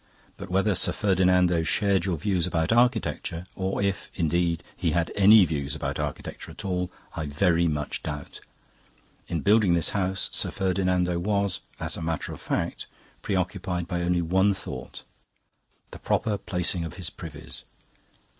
But whether Sir Ferdinando shared your views about architecture or if, indeed, he had any views about architecture at all, I very much doubt. In building this house, Sir Ferdinando was, as a matter of fact, preoccupied by only one thought the proper placing of his privies.